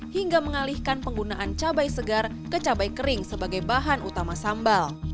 hingga mengalihkan penggunaan cabai segar ke cabai kering sebagai bahan utama sambal